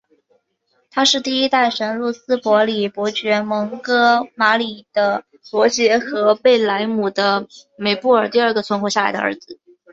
他是第一代什鲁斯伯里伯爵蒙哥马利的罗杰和贝莱姆的梅布尔第二个存活下来的儿子。